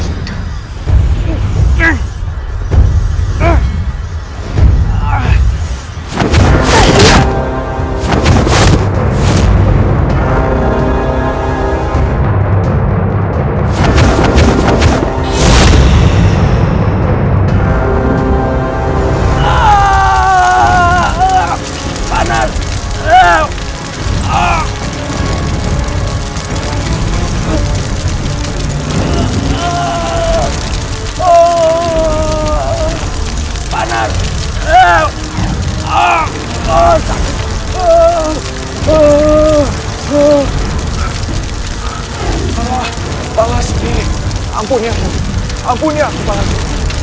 ampun ya aku ampun ya aku pak haji